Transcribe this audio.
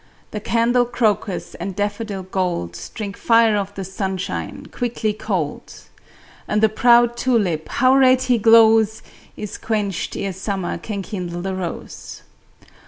The candle crocus And daffodil gold Drink fire of the sunshine Quickly cold. And the proud tulip How red he glows! Is quenched ere summer Can kindle the rose.